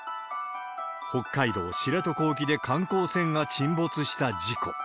北海道知床沖で観光船が沈没した事故。